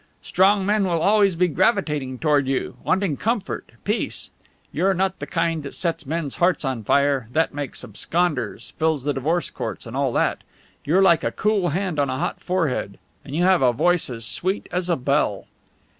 Strong men will always be gravitating toward you, wanting comfort, peace. You're not the kind that sets men's hearts on fire, that makes absconders, fills the divorce courts, and all that. You're like a cool hand on a hot forehead. And you have a voice as sweet as a bell."